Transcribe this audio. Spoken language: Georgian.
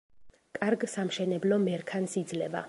კარგ სამშენებლო მერქანს იძლევა.